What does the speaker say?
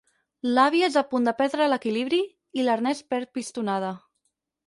L'àvia és a punt de perdre l'equilibri i l'Ernest perd pistonada.